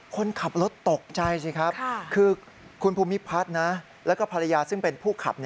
คนขับรถตกใจสิครับคือคุณภูมิพัฒน์นะแล้วก็ภรรยาซึ่งเป็นผู้ขับ